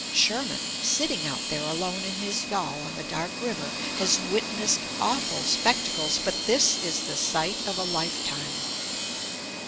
Sherman, sitting out there alone in his yawl on the dark river, has witnessed awful spectacles, but this is the sight of a lifetime.